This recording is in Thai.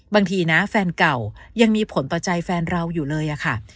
บางทีนะแฟนเก่ายังมีผลต่อใจแฟนเราอยู่เลยอะค่ะ